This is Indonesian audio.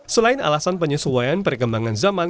selain alasan penyesuaian perkembangan zaman